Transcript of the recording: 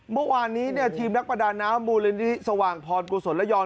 เมื่อวานนี้เนี้ยทีมนักประดาน้ำมูลลินทิศสว่างพรกุศลนายอง